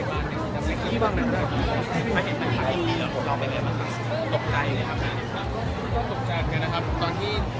วันนี้มีอันด้านนี้